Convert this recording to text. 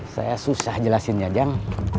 saya susah jelasinnya jang